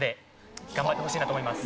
頑張ってほしいなと思います。